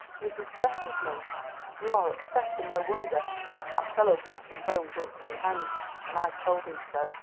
It distresses me. You are upset, and no wonder. That fellow Beecham Bones ought to be hanged, and I told him so.